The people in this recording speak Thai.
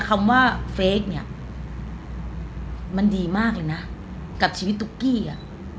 คำว่าเฟคเนี่ยมันดีมากเลยนะกับชีวิตตุ๊กกี้อ่ะ